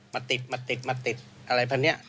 มาติดมาติดอะไรแบบนี้